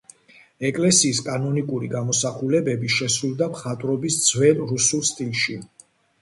ეკლესიის კანონიკური გამოსახულებები შესრულდა მხატვრობის ძველ რუსულ სტილში.